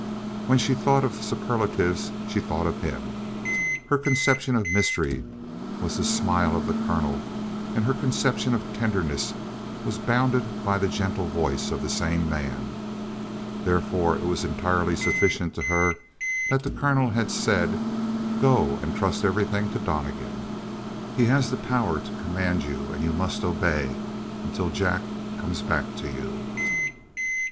When she thought of superlatives, she thought of him. Her conception of mystery was the smile of the colonel, and her conception of tenderness was bounded by the gentle voice of the same man. Therefore, it was entirely sufficient to her that the colonel had said: "Go, and trust everything to Donnegan. He has the power to command you and you must obey until Jack comes back to you."